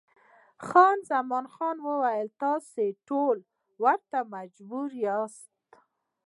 خان زمان وویل، تاسې ټوله ورته محبوب یاست.